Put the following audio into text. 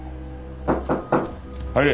入れ。